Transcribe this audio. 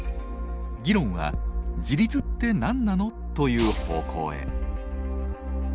議論は「自立ってなんなの？」という方向へ。